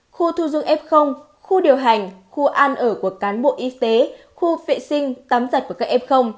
khu thu dung f khu điều hành khu ăn ở của cán bộ y tế khu vệ sinh tắm giặt của các f